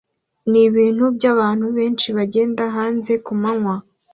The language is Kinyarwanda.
Nibintu byabantu benshi bagenda hanze kumanywa